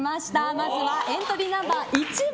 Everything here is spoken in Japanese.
まずはエントリーナンバー１番